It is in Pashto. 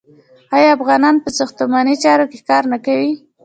آیا افغانان په ساختماني چارو کې کار نه کوي؟